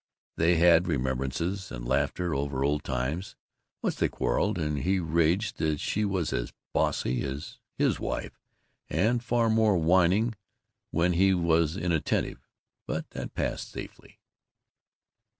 They had remembrances, and laughter over old times. Once they quarreled, and he raged that she was as "bossy" as his wife and far more whining when he was inattentive. But that passed safely.